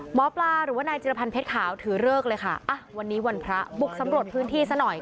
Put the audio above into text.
หมอปลาหรือว่านายจิรพันธ์เพชรขาวถือเลิกเลยค่ะอ่ะวันนี้วันพระบุกสำรวจพื้นที่ซะหน่อย